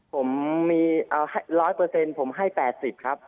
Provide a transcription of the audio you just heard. ผมมีร้อยเปอร์เซ็นต์ผมให้๘๐ครับ